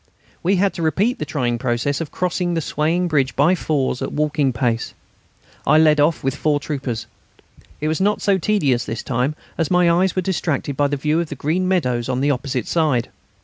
We had to repeat the trying process of crossing the swaying bridge by fours at walking pace. I led off with four troopers. It was not so tedious this time, as my eyes were distracted by the view of the green meadows on the opposite side.